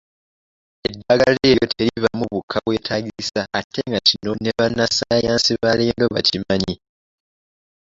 Eddagala eryo teribaamu buka bwetaagisa ate nga kino ne bannasayansi ba leero bakimanyi.